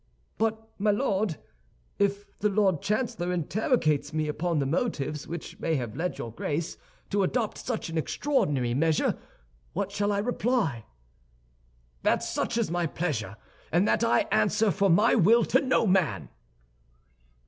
"But, my Lord, if the Lord Chancellor interrogates me upon the motives which may have led your Grace to adopt such an extraordinary measure, what shall I reply?" "That such is my pleasure, and that I answer for my will to no man."